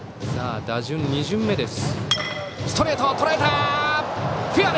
打順２巡目です。